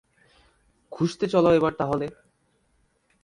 খুঁজতে চলো এবার তাহলে।